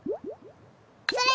それ！